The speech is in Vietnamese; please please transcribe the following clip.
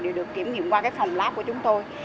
đều được kiểm nghiệm qua cái phòng lab của chúng tôi